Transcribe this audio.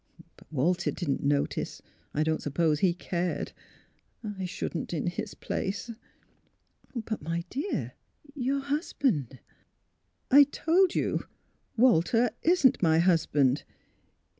But Walter didn't notice. I don't suppose he cared. I shouldn't, in his place." " But — my dear; your — your husband "'' I told you Walter wasn't my husband.